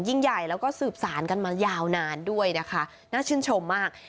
ยิ่งใหญ่แล้วก็สืบสารกันมายาวนานด้วยนะคะน่าชื่นชมมาก